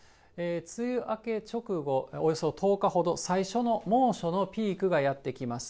梅雨明け直後、およそ１０日ほど、最初の猛暑のピークがやって来ます。